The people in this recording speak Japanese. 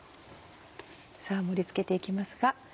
盛り付けて行きますが。